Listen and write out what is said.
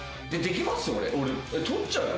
俺とっちゃうよ